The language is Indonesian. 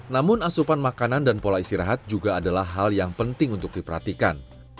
namun asupan makanan dan pola istirahat juga adalah hal yang penting untuk diperhatikan